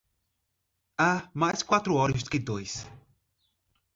Há mais quatro olhos que dois.